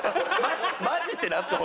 マジってなんすか？